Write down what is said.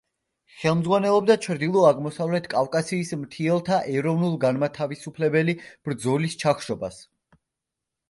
ხელმძღვანელობდა ჩრდილო-აღმოსავლეთ კავკასიის მთიელთა ეროვნულ-განმათავისუფლებელი ბრძოლის ჩახშობას.